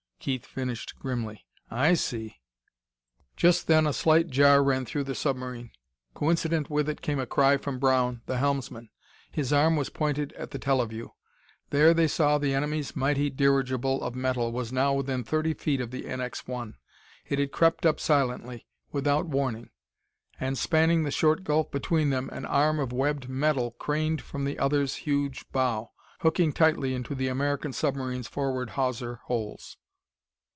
Keith finished grimly. "I see!" Just then a slight jar ran through the submarine. Coincident with it came a cry from Brown, the helmsman. His arm was pointed at the teleview. There they saw the enemy's mighty dirigible of metal was now within thirty feet of the NX 1. It had crept up silently, without warning. And, spanning the short gulf between them, an arm of webbed metal craned from the other's huge bow, hooking tightly into the American submarine's forward hawser holes!